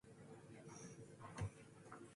He had his own theories about Jack the Ripper.